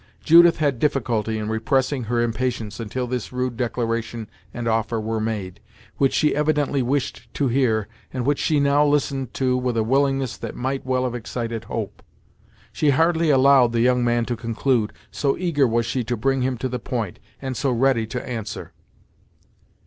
Judith had difficulty in repressing her impatience until this rude declaration and offer were made, which she evidently wished to hear, and which she now listened to with a willingness that might well have excited hope. She hardly allowed the young man to conclude, so eager was she to bring him to the point, and so ready to answer.